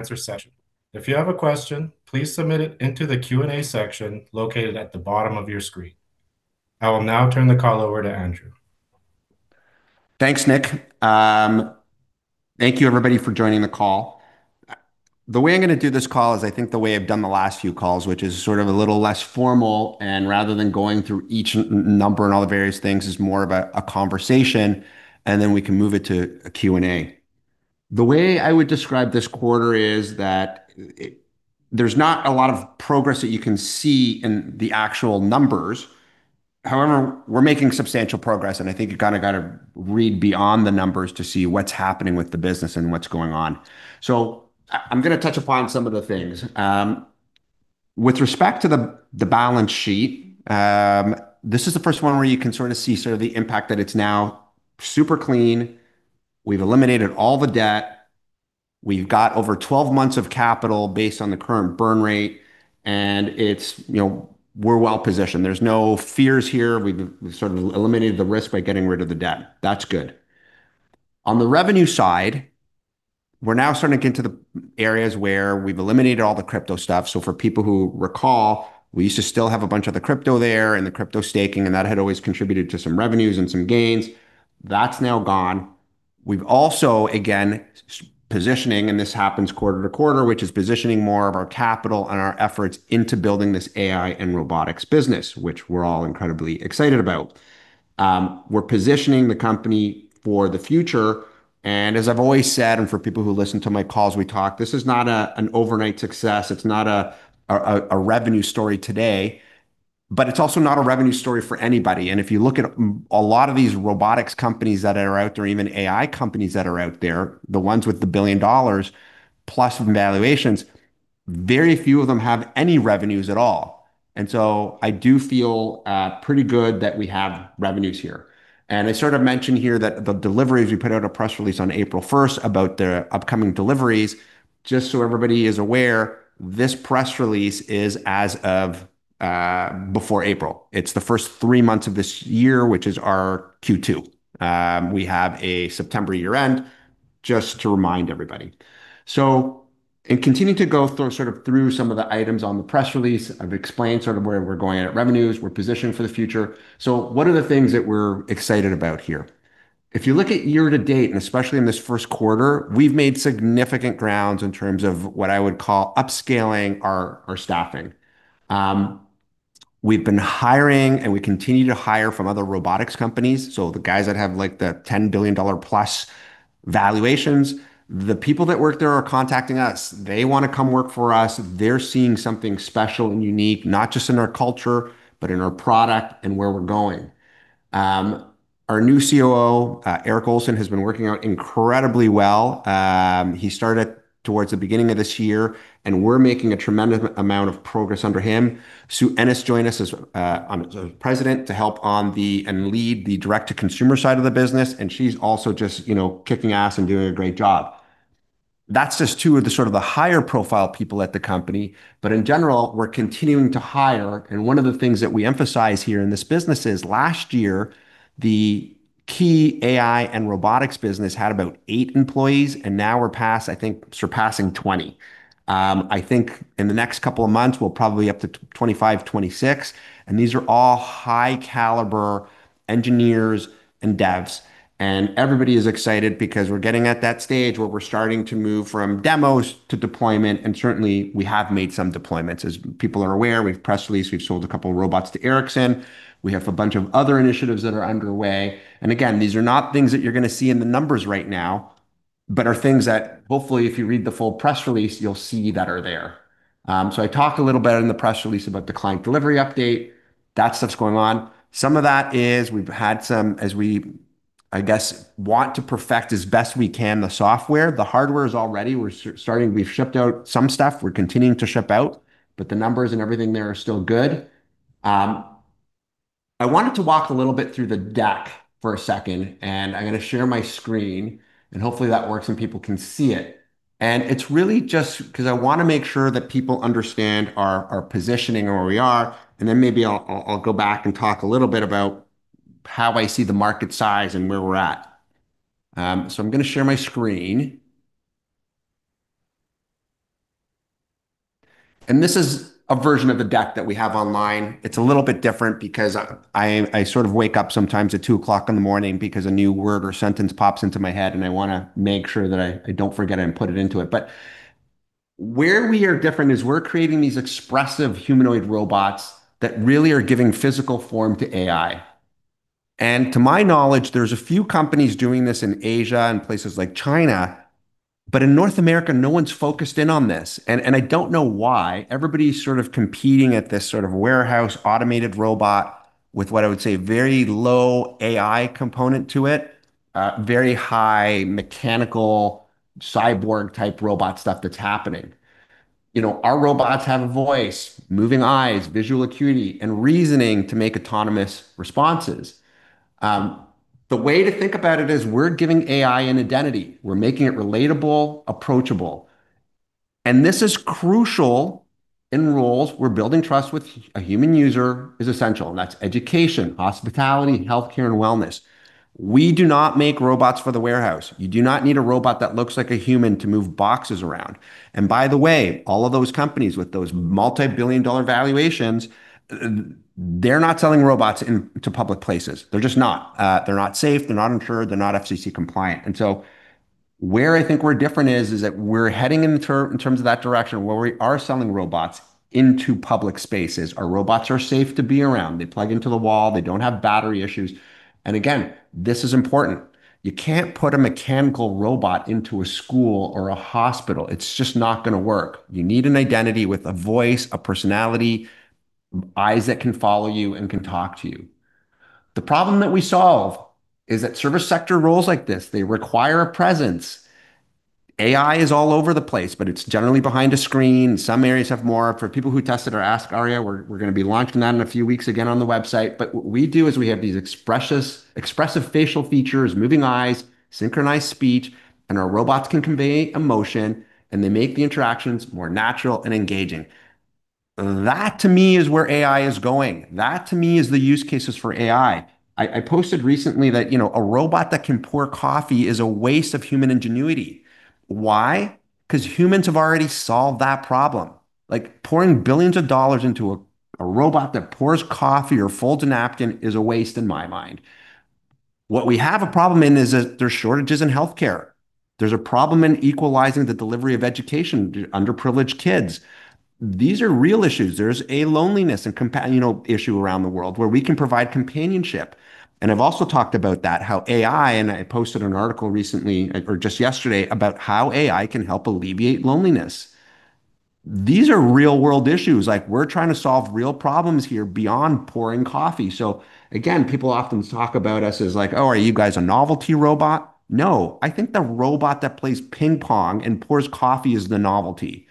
answer session. If you have a question, please submit it into the Q&A section located at the bottom of your screen. I will now turn the call over to Andrew. Thanks, Nick. Thank you everybody for joining the call. The way I'm going to do this call is I think the way I've done the last few calls, which is sort of a little less formal. Rather than going through each number and all the various things, it's more of a conversation, and then we can move it to a Q&A. The way I would describe this quarter is that there's not a lot of progress that you can see in the actual numbers. However, we're making substantial progress. I think you got to read beyond the numbers to see what's happening with the business and what's going on. I'm going to touch upon some of the things. With respect to the balance sheet, this is the first one where you can sort of see the impact that it's now super clean. We've eliminated all the debt. We've got over 12 months of capital based on the current burn rate, and we're well-positioned. There's no fears here. We've sort of eliminated the risk by getting rid of the debt. That's good. On the revenue side, we're now starting to get into the areas where we've eliminated all the crypto stuff. For people who recall, we used to still have a bunch of the crypto there and the crypto staking, and that had always contributed to some revenues and some gains. That's now gone. We've also, again, positioning, and this happens quarter to quarter, which is positioning more of our capital and our efforts into building this AI and robotics business, which we're all incredibly excited about. We're positioning the company for the future, and as I've always said, and for people who listen to my calls, we talk, this is not an overnight success. It is not a revenue story today, but it is also not a revenue story for anybody. If you look at a lot of these robotics companies that are out there, even AI companies that are out there, the ones with the billion dollars plus valuations, very few of them have any revenues at all. I do feel pretty good that we have revenues here. I sort of mentioned here that the deliveries, we put out a press release on April 1st about the upcoming deliveries. Just so everybody is aware, this press release is as of before April. It is the first three months of this year, which is our Q2. We have a September year-end, just to remind everybody. In continuing to go through some of the items on the press release, I have explained sort of where we are going at revenues. We are positioned for the future. What are the things that we're excited about here? If you look at year to date, and especially in this first quarter, we've made significant grounds in terms of what I would call upscaling our staffing. We've been hiring, and we continue to hire from other robotics companies. The guys that have the $10 billion+ valuations, the people that work there are contacting us. They want to come work for us. They're seeing something special and unique, not just in our culture, but in our product and where we're going. Our new COO, Eric Olsen, has been working out incredibly well. He started towards the beginning of this year, and we're making a tremendous amount of progress under him. Sue Ennis joined us as president to help on the, and lead the direct-to-consumer side of the business, and she's also just kicking ass and doing a great job. That's just two of the higher profile people at the company. In general, we're continuing to hire, and one of the things that we emphasize here in this business is last year, the key AI and robotics business had about eight employees, and now we're past, I think surpassing 20. I think in the next couple of months, we're probably up to 25, 26, and these are all high caliber engineers and devs. Everybody is excited because we're getting at that stage where we're starting to move from demos to deployment, and certainly, we have made some deployments. As people are aware, we've press released, we've sold a couple robots to Ericsson. We have a bunch of other initiatives that are underway. Again, these are not things that you're going to see in the numbers right now, but are things that hopefully, if you read the full press release, you'll see that are there. I talked a little bit in the press release about the client delivery update. That stuff's going on. Some of that is we've had some as we, I guess, want to perfect as best we can the software. The hardware is all ready. We're starting. We've shipped out some stuff. We're continuing to ship out, but the numbers and everything there are still good. I wanted to walk a little bit through the deck for a second, and I'm going to share my screen and hopefully that works and people can see it. It's really just because I want to make sure that people understand our positioning and where we are, then maybe I'll go back and talk a little bit about how I see the market size and where we're at. I'm going to share my screen. This is a version of the deck that we have online. It's a little bit different because I sort of wake up sometimes at 2:00 in the morning because a new word or sentence pops into my head, and I want to make sure that I don't forget it and put it into it. Where we are different is we're creating these expressive humanoid robots that really are giving physical form to AI. To my knowledge, there's a few companies doing this in Asia and places like China. In North America, no one's focused in on this. I don't know why everybody's sort of competing at this sort of warehouse automated robot with what I would say very low AI component to it, very high mechanical cyborg-type robot stuff that's happening. Our robots have a voice, moving eyes, visual acuity, and reasoning to make autonomous responses. The way to think about it is we're giving AI an identity. We're making it relatable, approachable. This is crucial in roles where building trust with a human user is essential, and that's education, hospitality, healthcare, and wellness. We do not make robots for the warehouse. You do not need a robot that looks like a human to move boxes around. By the way, all of those companies with those multi-billion dollar valuations, they're not selling robots into public places. They're just not. They're not safe. They're not insured. They're not FCC compliant. Where I think we're different is that we're heading in terms of that direction where we are selling robots into public spaces. Our robots are safe to be around. They plug into the wall. They don't have battery issues. Again, this is important. You can't put a mechanical robot into a school or a hospital. It's just not going to work. You need an identity with a voice, a personality, eyes that can follow you and can talk to you. The problem that we solve is that service sector roles like this, they require a presence. AI is all over the place, but it's generally behind a screen. Some areas have more. For people who tested our Ask Aria, we're going to be launching that in a few weeks again on the website. What we do is we have these expressive facial features, moving eyes, synchronized speech, and our robots can convey emotion, and they make the interactions more natural and engaging. That to me is where AI is going. That to me is the use cases for AI. I posted recently that a robot that can pour coffee is a waste of human ingenuity. Why? Because humans have already solved that problem. Pouring billions of dollars into a robot that pours coffee or folds a napkin is a waste in my mind. What we have a problem in is that there's shortages in healthcare. There's a problem in equalizing the delivery of education to underprivileged kids. These are real issues. There's a loneliness and companionate issue around the world where we can provide companionship, and I've also talked about that, how AI, and I posted an article recently or just yesterday, about how AI can help alleviate loneliness. These are real-world issues. We're trying to solve real problems here beyond pouring coffee. Again, people often talk about us as like, "Oh, are you guys a novelty robot?" No. I think the robot that plays ping pong and pours coffee is the novelty.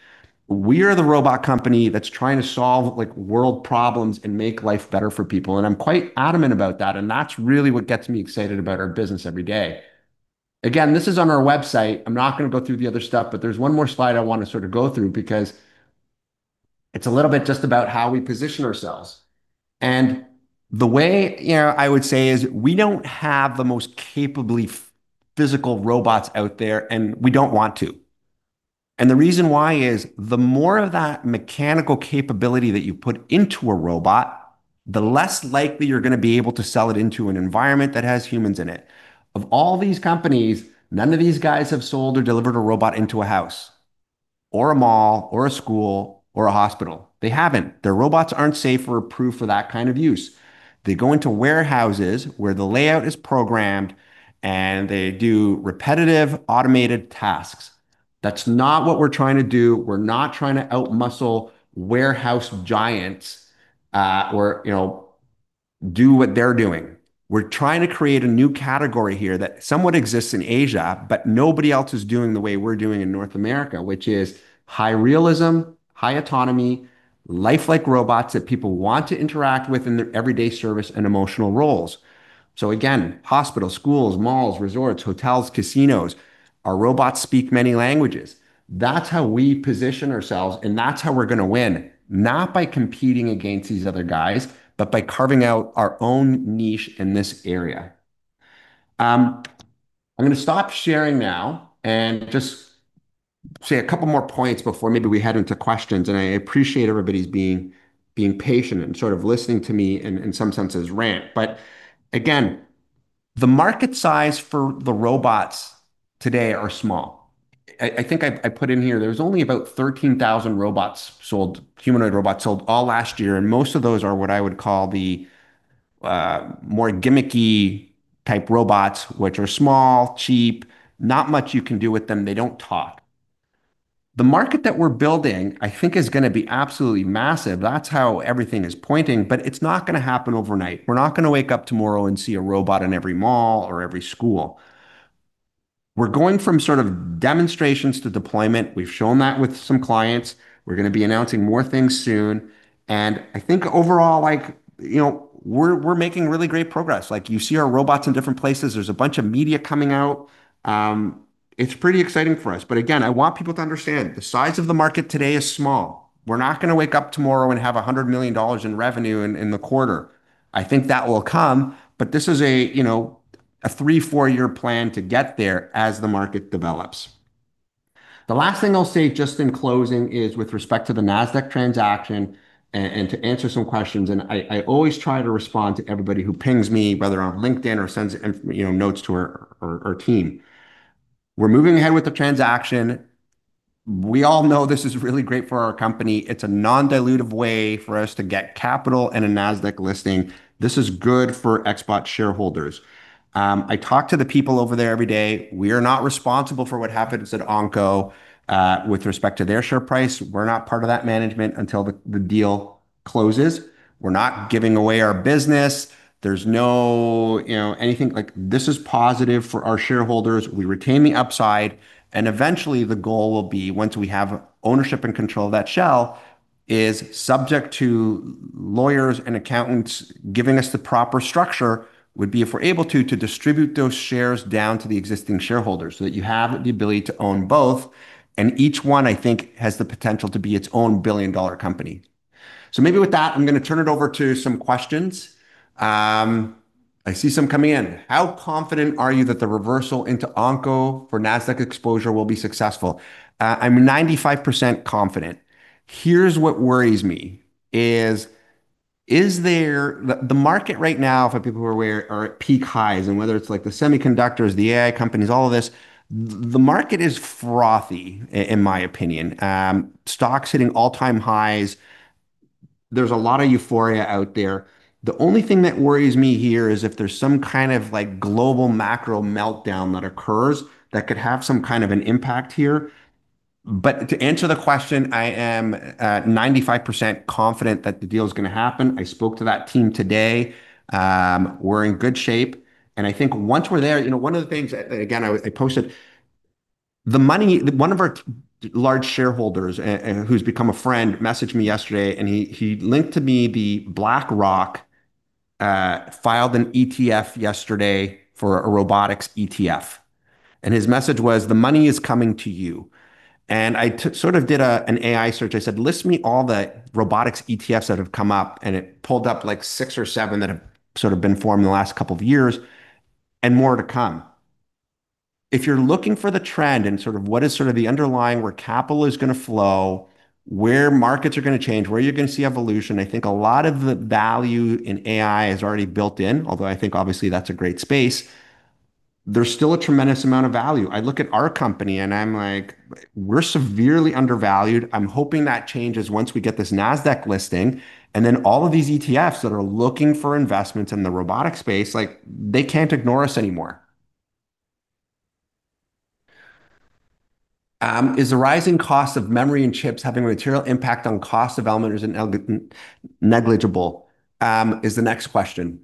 We are the robot company that's trying to solve world problems and make life better for people, and I'm quite adamant about that, and that's really what gets me excited about our business every day. Again, this is on our website. I'm not going to go through the other stuff. There's one more slide I want to sort of go through because it's a little bit just about how we position ourselves. The way I would say is we don't have the most capably physical robots out there, and we don't want to. The reason why is the more of that mechanical capability that you put into a robot, the less likely you're going to be able to sell it into an environment that has humans in it. Of all these companies, none of these guys have sold or delivered a robot into a house or a mall or a school or a hospital. They haven't. Their robots aren't safe or approved for that kind of use. They go into warehouses where the layout is programmed, and they do repetitive, automated tasks. That's not what we're trying to do. We're not trying to out-muscle warehouse giants or do what they're doing. We're trying to create a new category here that somewhat exists in Asia, but nobody else is doing the way we're doing in North America, which is high realism, high autonomy, lifelike robots that people want to interact with in their everyday service and emotional roles. Hospitals, schools, malls, resorts, hotels, casinos. Our robots speak many languages. That's how we position ourselves, and that's how we're going to win. Not by competing against these other guys, but by carving out our own niche in this area. I'm going to stop sharing now and just say a couple more points before maybe we head into questions, and I appreciate everybody's being patient and sort of listening to me in some senses rant. Again, the market size for the robots today are small. I think I put in here there's only about 13,000 robots sold, humanoid robots sold all last year, and most of those are what I would call the more gimmicky type robots, which are small, cheap, not much you can do with them. They don't talk. The market that we're building, I think, is going to be absolutely massive. That's how everything is pointing. It's not going to happen overnight. We're not going to wake up tomorrow and see a robot in every mall or every school. We're going from sort of demonstrations to deployment. We've shown that with some clients. We're going to be announcing more things soon, and I think overall, we're making really great progress. You see our robots in different places. There's a bunch of media coming out. It's pretty exciting for us. Again, I want people to understand the size of the market today is small. We're not going to wake up tomorrow and have $100 million in revenue in the quarter. I think that will come, but this is a three, four-year plan to get there as the market develops. The last thing I'll say just in closing is with respect to the Nasdaq transaction and to answer some questions, and I always try to respond to everybody who pings me, whether on LinkedIn or sends notes to our team. We're moving ahead with the transaction. We all know this is really great for our company. It's a non-dilutive way for us to get capital and a Nasdaq listing. This is good for XBOT shareholders. I talk to the people over there every day. We are not responsible for what happens at Onco with respect to their share price. We're not part of that management until the deal closes. We're not giving away our business. There's no anything like This is positive for our shareholders. We retain the upside. Eventually, the goal will be once we have ownership and control of that shell, is subject to lawyers and accountants giving us the proper structure, would be if we're able to distribute those shares down to the existing shareholders so that you have the ability to own both, and each one, I think, has the potential to be its own billion-dollar company. Maybe with that, I'm going to turn it over to some questions. I see some coming in. How confident are you that the reversal into Onco for Nasdaq exposure will be successful? I'm 95% confident. Here's what worries me is, the market right now, for people who are aware, are at peak highs, and whether it's the semiconductors, the AI companies, all of this, the market is frothy, in my opinion. Stocks hitting all-time highs. There's a lot of euphoria out there. The only thing that worries me here is if there's some kind of global macro meltdown that occurs that could have some kind of an impact here. To answer the question, I am 95% confident that the deal is going to happen. I spoke to that team today. We're in good shape. I think once we're there, one of the things, again, I posted. One of our large shareholders, and who's become a friend, messaged me yesterday, and he linked to me the BlackRock filed an ETF yesterday for a robotics ETF. His message was, "The money is coming to you." I sort of did an AI search. I said, "List me all the robotics ETFs that have come up," and it pulled up six or seven that have sort of been formed in the last couple of years, and more to come. If you're looking for the trend and what is the underlying, where capital is going to flow, where markets are going to change, where you're going to see evolution, I think a lot of the value in AI is already built in, although I think obviously that's a great space. There's still a tremendous amount of value. I look at our company and I'm like, "We're severely undervalued." I'm hoping that changes once we get this Nasdaq listing, and then all of these ETFs that are looking for investments in the robotic space, they can't ignore us anymore. Is the rising cost of memory and chips having a material impact on costs of elements negligible? Is the next question.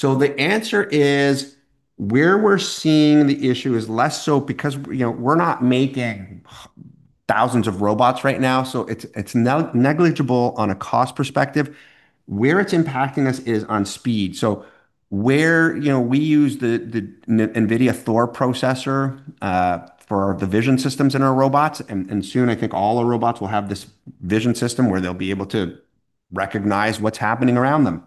The answer is, where we're seeing the issue is less so because we're not making thousands of robots right now, so it's negligible on a cost perspective. Where it's impacting us is on speed. Where we use the NVIDIA Thor processor for the vision systems in our robots, and soon I think all our robots will have this vision system where they'll be able to recognize what's happening around them.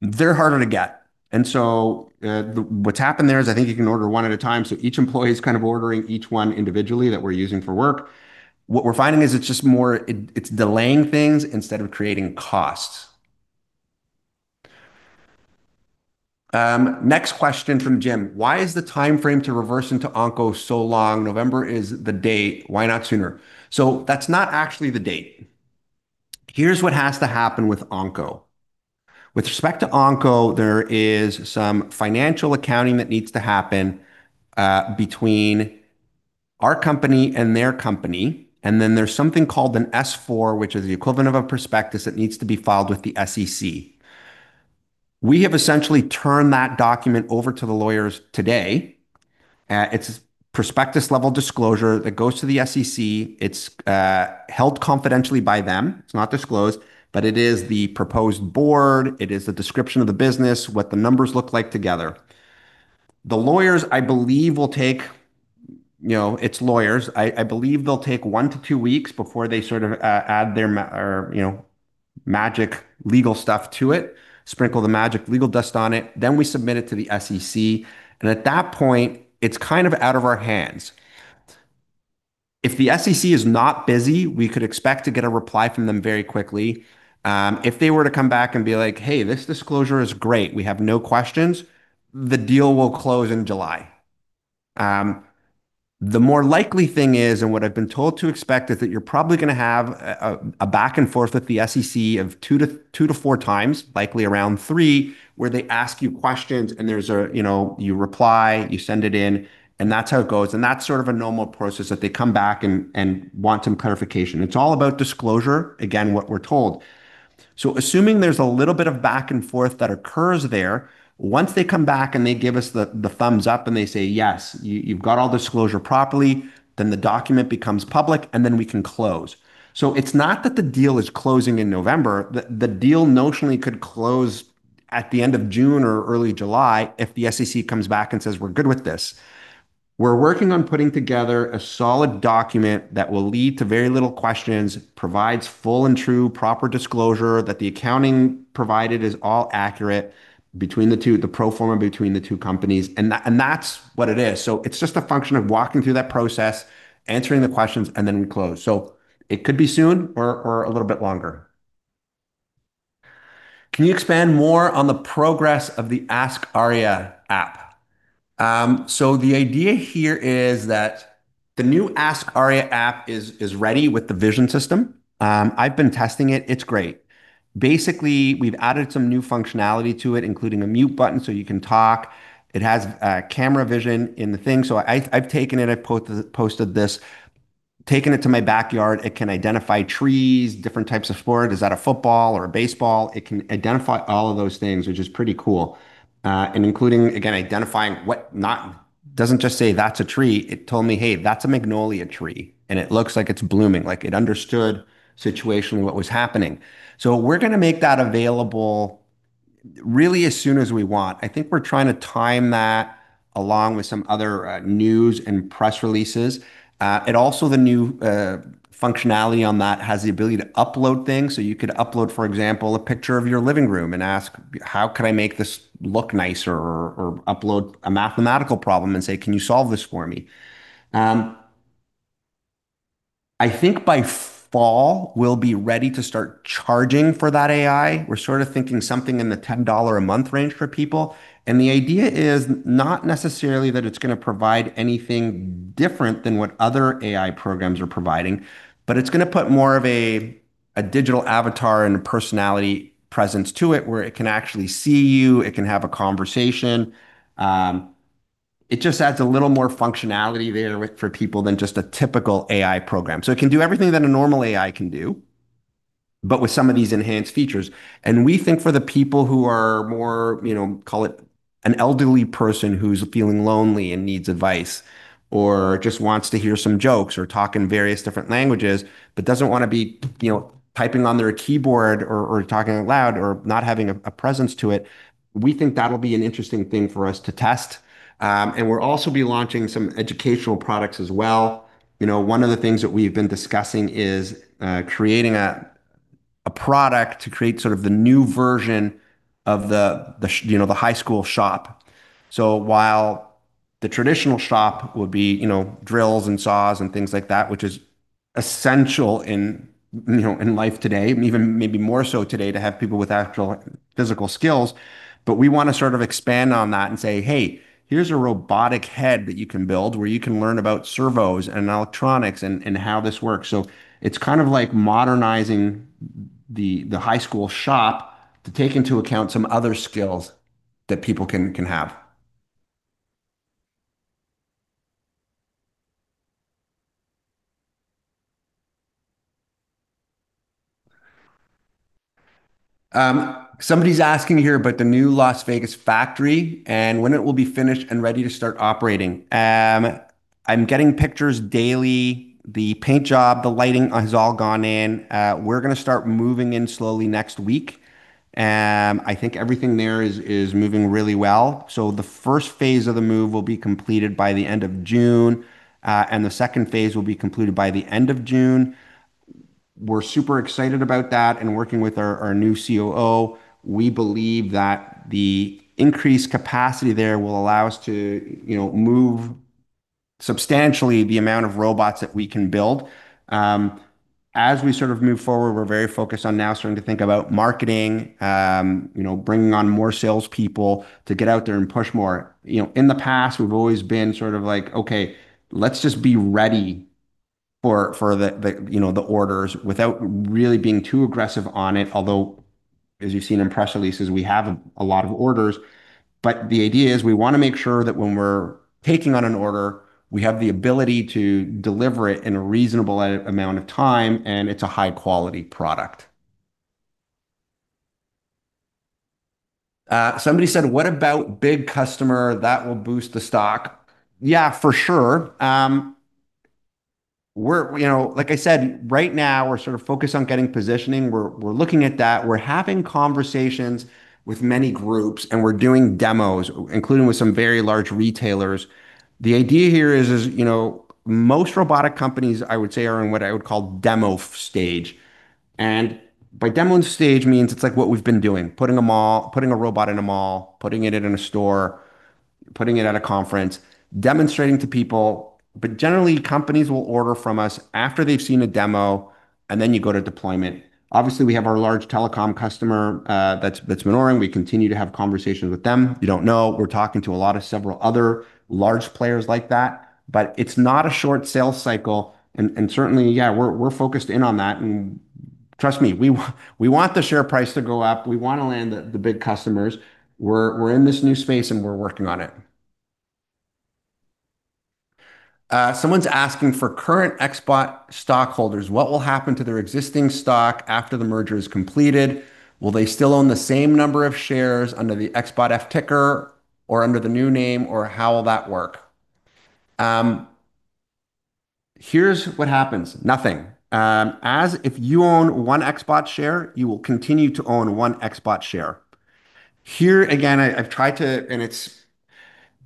They're harder to get. What's happened there is I think you can order one at a time, so each employee is ordering each one individually that we're using for work. What we're finding is it's delaying things instead of creating costs. Next question from Jim. Why is the timeframe to reverse into Onco so long? November is the date. Why not sooner? That's not actually the date. Here's what has to happen with Onco. With respect to Onco, there is some financial accounting that needs to happen between our company and their company, and then there's something called an S4, which is the equivalent of a prospectus that needs to be filed with the SEC. We have essentially turned that document over to the lawyers today. It's prospectus-level disclosure that goes to the SEC. It's held confidentially by them. It's not disclosed, but it is the proposed board. It is the description of the business, what the numbers look like together. It's lawyers. I believe they'll take one to two weeks before they add their magic legal stuff to it, sprinkle the magic legal dust on it, then we submit it to the SEC. At that point, it's out of our hands. If the SEC is not busy, we could expect to get a reply from them very quickly. If they were to come back and be like, "Hey, this disclosure is great. We have no questions," the deal will close in July. The more likely thing is, and what I've been told to expect, is that you're probably going to have a back and forth with the SEC of 2x to 4x, likely around three, where they ask you questions and you reply, you send it in, and that's how it goes. That's sort of a normal process that they come back and want some clarification. It's all about disclosure, again, what we're told. Assuming there's a little bit of back and forth that occurs there, once they come back and they give us the thumbs up and they say, "Yes, you've got all disclosure properly," then the document becomes public, and then we can close. It's not that the deal is closing in November. The deal notionally could close at the end of June or early July if the SEC comes back and says, "We're good with this." We're working on putting together a solid document that will lead to very little questions, provides full and true proper disclosure, that the accounting provided is all accurate between the two, the pro forma between the two companies, and that's what it is. It's just a function of walking through that process, answering the questions, and then close. It could be soon or a little bit longer. Can you expand more on the progress of the Ask Aria app? The idea here is that the new Ask Aria app is ready with the vision system. I've been testing it. It's great. Basically, we've added some new functionality to it, including a mute button so you can talk. It has camera vision in the thing. I've taken it, I've posted this, taken it to my backyard. It can identify trees, different types of sport. Is that a football or a baseball? It can identify all of those things, which is pretty cool. Including, again, identifying. It doesn't just say, "That's a tree." It told me, "Hey, that's a magnolia tree, and it looks like it's blooming." It understood situationally what was happening. We're going to make that available really as soon as we want. I think we're trying to time that along with some other news and press releases. Also the new functionality on that has the ability to upload things. You could upload, for example, a picture of your living room and ask, "How can I make this look nicer?" Upload a mathematical problem and say, "Can you solve this for me?" I think by fall we'll be ready to start charging for that AI. We're sort of thinking something in the $10 a month range for people. The idea is not necessarily that it's going to provide anything different than what other AI programs are providing, but it's going to put more of a digital avatar and a personality presence to it where it can actually see you, it can have a conversation. It just adds a little more functionality there for people than just a typical AI program. It can do everything that a normal AI can do, but with some of these enhanced features. We think for the people who are more, call it an elderly person who's feeling lonely and needs advice or just wants to hear some jokes or talk in various different languages, but doesn't want to be typing on their keyboard or talking out loud or not having a presence to it. We think that'll be an interesting thing for us to test. We'll also be launching some educational products as well. One of the things that we've been discussing is creating a product to create sort of the new version of the high school shop. While the traditional shop would be drills and saws and things like that, which is essential in life today, and even maybe more so today to have people with actual physical skills. We want to sort of expand on that and say, "Hey, here's a robotic head that you can build where you can learn about servos and electronics and how this works." It's kind of like modernizing the high school shop to take into account some other skills that people can have. Somebody's asking here about the new Las Vegas factory and when it will be finished and ready to start operating. I'm getting pictures daily. The paint job, the lighting has all gone in. We're going to start moving in slowly next week. I think everything there is moving really well. The first phase of the move will be completed by the end of June, and the second phase will be completed by the end of June. We're super excited about that and working with our new COO. We believe that the increased capacity there will allow us to move substantially the amount of robots that we can build. As we sort of move forward, we're very focused on now starting to think about marketing, bringing on more salespeople to get out there and push more. In the past, we've always been sort of like, "Okay, let's just be ready for the orders without really being too aggressive on it." Although, as you've seen in press releases, we have a lot of orders. The idea is we want to make sure that when we're taking on an order, we have the ability to deliver it in a reasonable amount of time and it's a high-quality product. Somebody said, "What about big customer that will boost the stock?" Yeah, for sure. Like I said, right now we're sort of focused on getting positioning. We're looking at that. We're having conversations with many groups, and we're doing demos, including with some very large retailers. The idea here is most robotic companies, I would say, are in what I would call demo stage. By demo stage means it's like what we've been doing, putting a robot in a mall, putting it in a store, putting it at a conference, demonstrating to people. Generally, companies will order from us after they've seen a demo, and then you go to deployment. Obviously, we have our large telecom customer, that's [Monorim]. We continue to have conversations with them. If you don't know, we're talking to a lot of several other large players like that, but it's not a short sales cycle. Certainly, yeah, we're focused in on that. Trust me, we want the share price to go up. We want to land the big customers. We're in this new space and we're working on it. Someone's asking for current XBOT stockholders what will happen to their existing stock after the merger is completed. Will they still own the same number of shares under the XBOTF ticker or under the new name, or how will that work? Here's what happens. Nothing. If you own one XBOT share, you will continue to own one XBOT share. Here again, I've tried to, and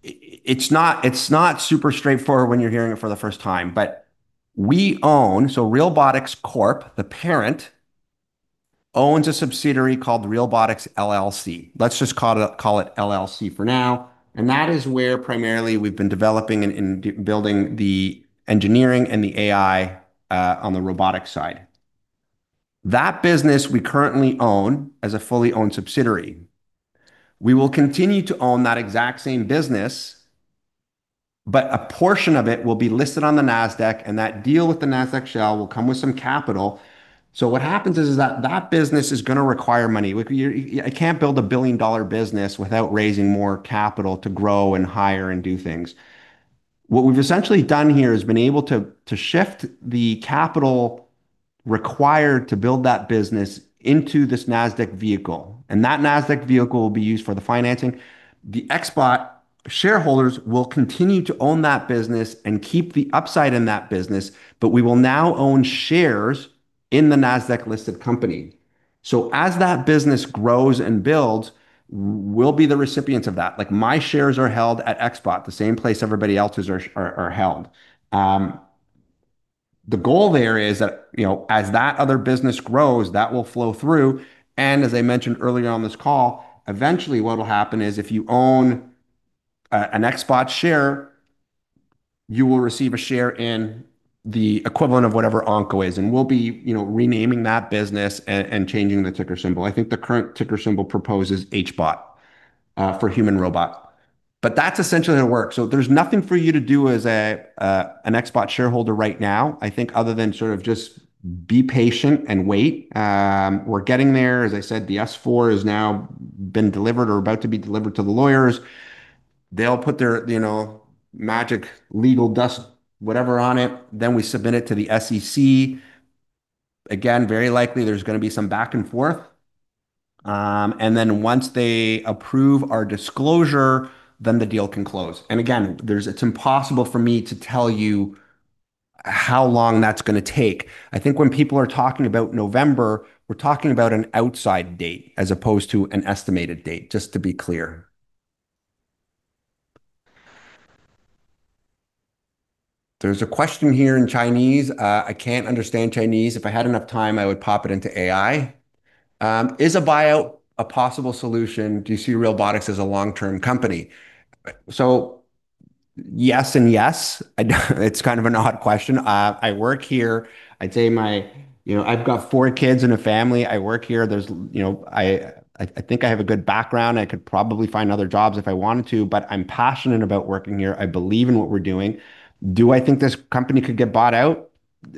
it's not super straightforward when you're hearing it for the first time, but we own, so Realbotix Corp., the parent, owns a subsidiary called Realbotix LLC. Let's just call it LLC for now. And that is where primarily we've been developing and building the engineering and the AI on the robotic side. That business we currently own as a fully owned subsidiary. We will continue to own that exact same business, but a portion of it will be listed on the Nasdaq, and that deal with the Nasdaq shell will come with some capital. What happens is that that business is going to require money. I can't build $1 billion business without raising more capital to grow and hire and do things. What we've essentially done here is been able to shift the capital required to build that business into this Nasdaq vehicle, and that Nasdaq vehicle will be used for the financing. The XBOT shareholders will continue to own that business and keep the upside in that business, but we will now own shares in the Nasdaq-listed company. As that business grows and builds, we'll be the recipients of that. My shares are held at XBOT, the same place everybody else's are held. The goal there is that, as that other business grows, that will flow through, and as I mentioned earlier on this call, eventually what'll happen is if you own an XBOT share, you will receive a share in the equivalent of whatever Onco is, and we'll be renaming that business and changing the ticker symbol. I think the current ticker symbol proposed is HBOT, for human robot. That's essentially how it works. There's nothing for you to do as an XBOT shareholder right now, I think other than sort of just be patient and wait. We're getting there. As I said, the S4 has now been delivered or about to be delivered to the lawyers. They'll put their magic legal dust, whatever on it, then we submit it to the SEC. Very likely there's going to be some back and forth. Then once they approve our disclosure, then the deal can close. Again, it's impossible for me to tell you how long that's going to take. I think when people are talking about November, we're talking about an outside date as opposed to an estimated date, just to be clear. There's a question here in Chinese. I can't understand Chinese. If I had enough time, I would pop it into AI. Is a buyout a possible solution? Do you see Realbotix as a long-term company? Yes and yes. It's kind of an odd question. I work here. I've got four kids and a family. I work here. I think I have a good background. I could probably find other jobs if I wanted to, but I'm passionate about working here. I believe in what we're doing. Do I think this company could get bought out?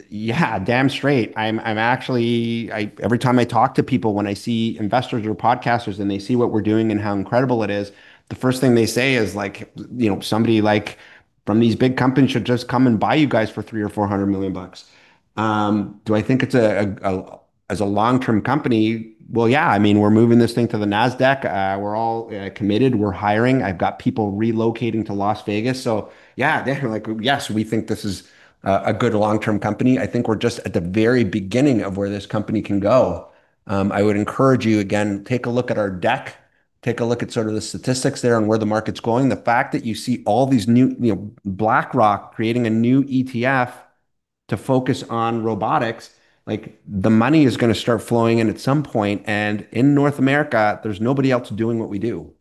Yeah. Damn straight. Every time I talk to people when I see investors or podcasters and they see what we're doing and how incredible it is, the first thing they say is like, "Somebody from these big companies should just come and buy you guys for $300 million or $400 million." Do I think as a long-term company? Well, yeah. We're moving this thing to the Nasdaq. We're all committed. We're hiring. I've got people relocating to Las Vegas. Yeah, definitely. Yes, we think this is a good long-term company. I think we're just at the very beginning of where this company can go. I would encourage you, again, take a look at our deck. Take a look at sort of the statistics there on where the market's going. The fact that you see all these new BlackRock creating a new ETF to focus on robotics, the money is going to start flowing in at some point. In North America, there's nobody else doing what we do.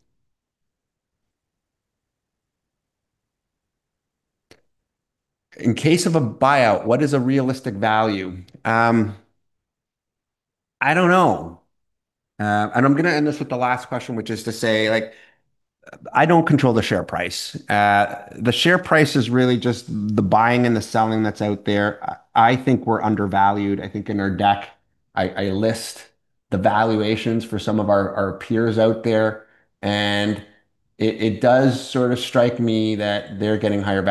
In case of a buyout, what is a realistic value? I don't know. I'm going to end this with the last question, which is to say, I don't control the share price. The share price is really just the buying and the selling that's out there. I think we're undervalued. I think in our deck, I list the valuations for some of our peers out there, it does sort of strike me that they're getting higher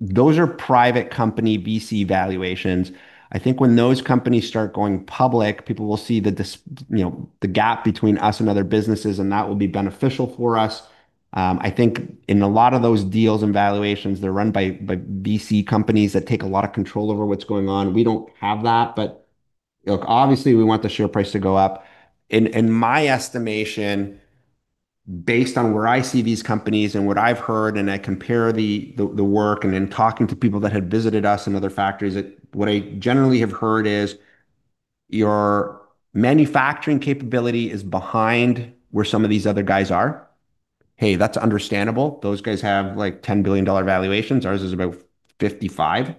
valuations, those are private company VC valuations. I think when those companies start going public, people will see the gap between us and other businesses, that will be beneficial for us. I think in a lot of those deals and valuations, they're run by VC companies that take a lot of control over what's going on. We don't have that. Look, obviously, we want the share price to go up. In my estimation, based on where I see these companies and what I've heard, and I compare the work and in talking to people that have visited us in other factories, what I generally have heard is your manufacturing capability is behind where some of these other guys are. Hey, that's understandable. Those guys have $10 billion valuations. Ours is about $55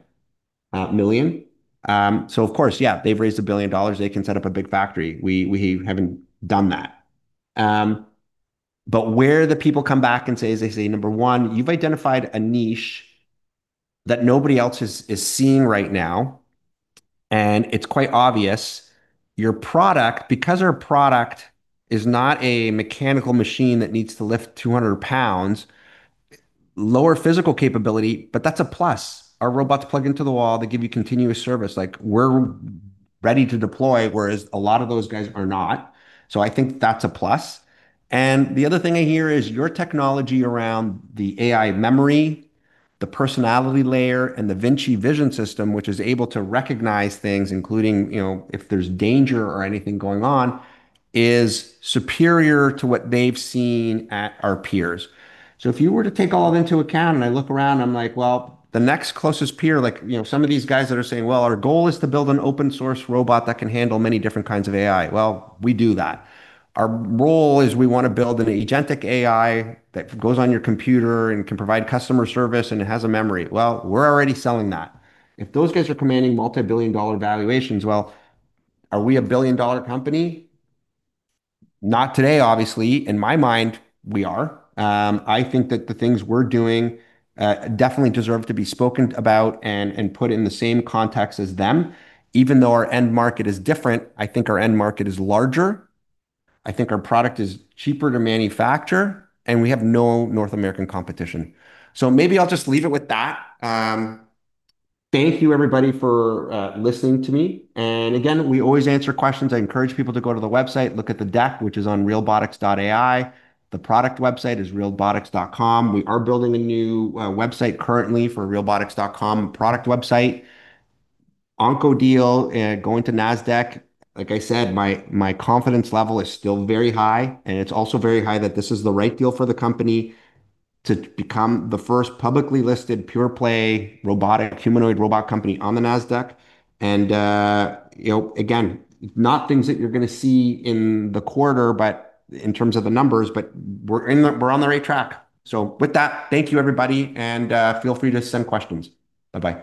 million. Of course, yeah. They've raised $1 billion. They can set up a big factory. We haven't done that. Where the people come back and say is they say, number one, you've identified a niche that nobody else is seeing right now, and it's quite obvious. Your product, because our product is not a mechanical machine that needs to lift 200 lb, lower physical capability, but that's a plus. Our robots plug into the wall, they give you continuous service. We're ready to deploy, whereas a lot of those guys are not. I think that's a plus. The other thing I hear is your technology around the AI memory, the personality layer, and the Vinci Vision system, which is able to recognize things, including if there's danger or anything going on, is superior to what they've seen at our peers. If you were to take all that into account and I look around, I'm like, well, the next closest peer, some of these guys that are saying, well, our goal is to build an open-source robot that can handle many different kinds of AI. We do that. Our role is we want to build an agentic AI that goes on your computer and can provide customer service, and it has a memory. We're already selling that. If those guys are commanding multi-billion dollar valuations, well, are we $1 billion company? Not today, obviously. In my mind, we are. I think that the things we're doing definitely deserve to be spoken about and put in the same context as them. Even though our end market is different, I think our end market is larger, I think our product is cheaper to manufacture, and we have no North American competition. Maybe I'll just leave it with that. Thank you, everybody, for listening to me. Again, we always answer questions. I encourage people to go to the website, look at the deck, which is on realbotix.ai. The product website is realbotix.com. We are building a new website currently for realbotix.com product website. Onco deal, going to Nasdaq, like I said, my confidence level is still very high, and it's also very high that this is the right deal for the company to become the first publicly listed pure play robotic, humanoid robot company on the Nasdaq. Again, not things that you're going to see in the quarter, but in terms of the numbers, but we're on the right track. With that, thank you, everybody, and feel free to send questions. Bye-bye.